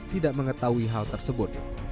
tidak mengetahui hal tersebut